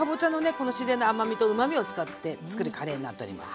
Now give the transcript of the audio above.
この自然な甘みとうまみを使ってつくるカレーになっております。